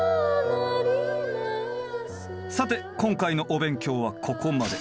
さて今回のお勉強はここまで。